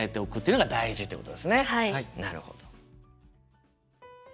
なるほど。